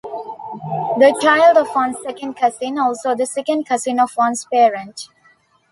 The child of one's second cousin; also the second cousin of one's parent.